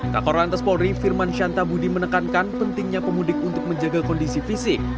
kak orlantes polri firman shantabudi menekankan pentingnya pemudik untuk menjaga kondisi fisik